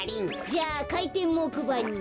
じゃあかいてんもくばに。